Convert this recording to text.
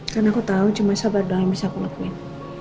karena aku tahu cuma sabar doang yang bisa aku lakuin